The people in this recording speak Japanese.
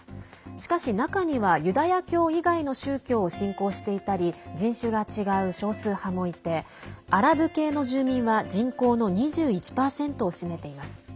しかし、中にはユダヤ教以外の宗教を信仰していたり人種が違う少数派もいてアラブ系の住民は人口の２１％を占めています。